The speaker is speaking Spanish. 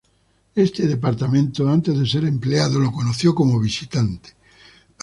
Este departamento, antes de ser empleado, lo conoció como visitante.